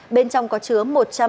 bên trong có chứa một trăm tám mươi